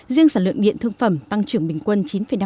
riêng sản lượng điện thương phẩm tăng trưởng bình quân chín năm